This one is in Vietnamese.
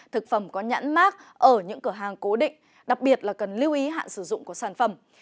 thực phẩm có nhãn mát ở những cửa hàng cố định đặc biệt là cần lưu ý hạn sử dụng của sản phẩm